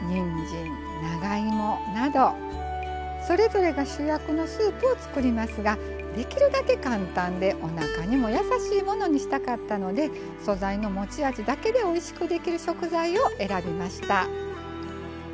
それぞれが主役のスープを作りますができるだけ簡単でおなかにも優しいものにしたかったので素材の持ち味だけでおいしくできる食材を選びました。